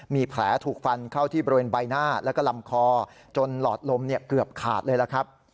มีแผลถูกฟันเข้าที่บริเวณใบหน้าแล้วก็ลำคอจนหลอดลมเกือบขาดเลยล่ะครับ